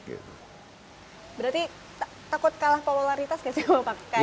berarti takut kalah popularitas gak sih sama pak kamil